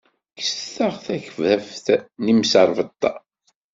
Kkset-aɣ takbabt n yimẓerbeḍḍa.